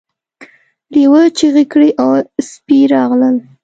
لیوه چیغې کړې او سپي راغلل.